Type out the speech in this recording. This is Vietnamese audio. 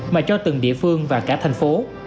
mà cho từng địa phương và cả thành phố